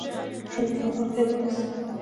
ژوند یوه برخه یې واخیستله.